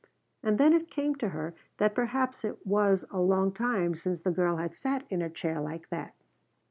And then it came to her that perhaps it was a long time since the girl had sat in a chair like that.